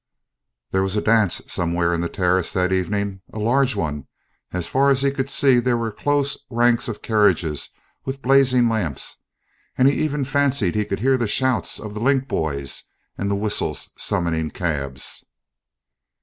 There was a dance somewhere in the terrace that evening, a large one; as far as he could see there were close ranks of carriages with blazing lamps, and he even fancied he could hear the shouts of the link boys and the whistles summoning cabs.